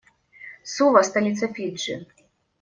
Сува - столица Фиджи.